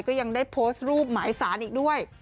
ก็ยังได้โพสต์รูปหมายสารอีกด้วย